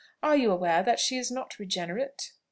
Are you aware that she is not regenerate?"